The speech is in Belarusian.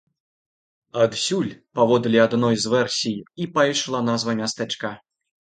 Адсюль, паводле адной з версій, і пайшла назва мястэчка.